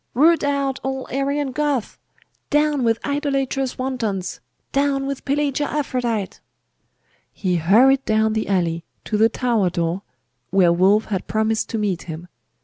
Root out all Arian Goths! Down with idolatrous wantons! Down with Pelagia Aphrodite!' He hurried down the alley, to the tower door, where Wulf had promised to meet him.